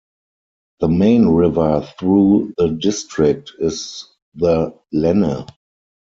The main river through the district is the Lenne.